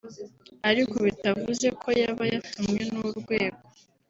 ariko bitavuze ko yaba yatumwe n’urwego